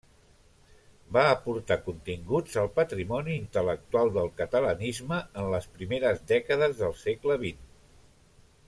Va aportar continguts a patrimoni intel·lectual del catalanisme en les primeres dècades del segle vint.